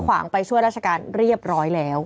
ขวางไปช่วยราชการเรียบร้อยแล้ว